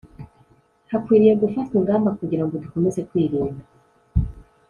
Hakwiriye gufatwa ingamba kugira ngo dukomeze kwirinda